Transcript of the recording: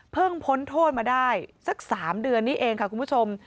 พ้นโทษมาได้สัก๓เดือนนี้เองค่ะคุณผู้ชม